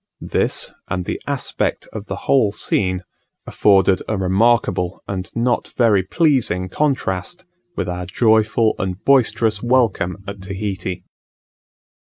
This, and the aspect of the whole scene, afforded a remarkable, and not very pleasing contrast, with our joyful and boisterous welcome at Tahiti.